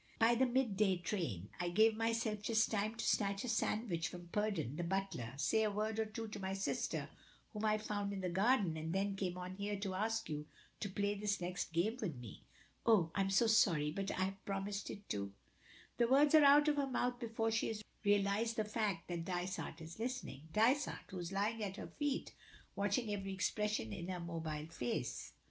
"By the mid day train; I gave myself just time to snatch a sandwich from Purdon (the butler), say a word or two to my sister, whom I found in the garden, and then came on here to ask you to play this next game with me." "Oh! I am so sorry, but I have promised it to " The words are out of her mouth before she has realized the fact that Dysart is listening Dysart, who is lying at her feet, watching every expression in her mobile face.